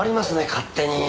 勝手に。